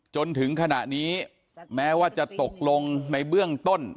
จนถึงขณะนี้แม้ว่าจะตกลงในเบื้องต้น